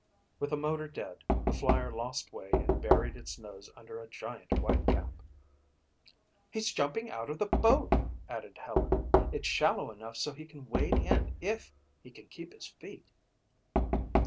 With the motor dead, the Flyer lost way and buried its nose under a giant white cap. "He's jumping out of the boat," added Helen. "It's shallow enough so he can wade in if he can keep his feet."